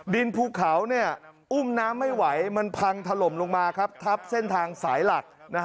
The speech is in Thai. ภูเขาอุ้มน้ำไม่ไหวมันพังถล่มลงมาครับทับเส้นทางสายหลัก